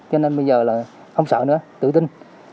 cho nên bây giờ là không sợ nữa tự tin